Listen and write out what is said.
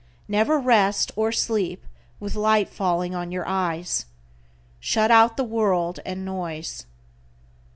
Never rest or sleep with light falling on your eyes. Shut out the world and noise.